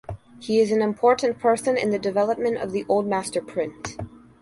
He is an important person in the development of the old master print.